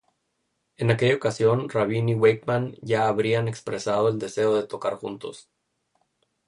En aquella ocasión, Rabin y Wakeman ya habrían expresado el deseo de tocar juntos.